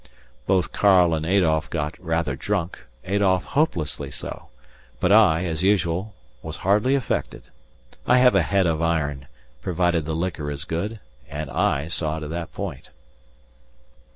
Both Karl and Adolf got rather drunk, Adolf hopelessly so, but I, as usual, was hardly affected. I have a head of iron, provided the liquor is good, and I saw to that point.